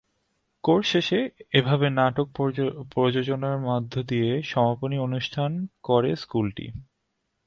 Course শেষে এভাবে নাটক প্রযোজনার মধ্য দিয়ে সমাপনী অনুষ্ঠান করে স্কুলটি।